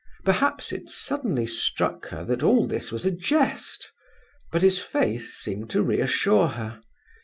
Perhaps it suddenly struck her that all this was a jest, but his face seemed to reassure her.